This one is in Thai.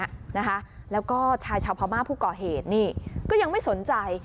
นะคะแล้วก็ชายชาวพม่าผู้ก่อเหตุนี่ก็ยังไม่สนใจ